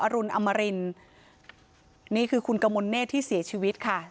รุนอมรินนี่คือคุณกมลเนธที่เสียชีวิตค่ะ